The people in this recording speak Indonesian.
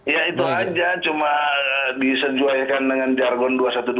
ya itu aja cuma disesuaikan dengan jargon dua ratus dua belas